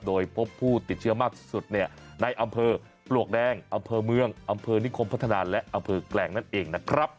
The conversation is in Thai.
โดยพบผู้ติดเชื้อมากที่สุดในอำเภอปลวกแดงอำเภอเมืองอำเภอนิคมพัฒนาและอำเภอแกลงนั่นเองนะครับ